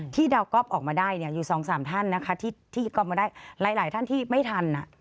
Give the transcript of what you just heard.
ที่ดาวก๊อปออกมาได้อยู่สองสามท่านนะคะที่ก็มาได้หลายท่านที่ไม่ทัน